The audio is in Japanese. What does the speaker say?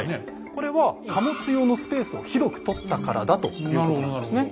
これは貨物用のスペースを広く取ったからだということなんですね。